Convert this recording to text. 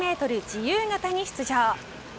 自由形に出場。